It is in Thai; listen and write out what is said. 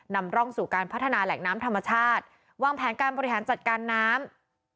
นำร่องสู่การพัฒนาแหล่งน้ำธรรมชาติวางแผนการบริหารจัดการน้ำ